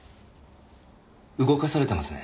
動かされてますね。